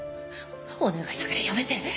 お願いだからやめて！